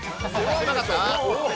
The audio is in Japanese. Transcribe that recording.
狭かった？